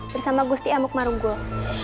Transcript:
bersama gusti amukmarugul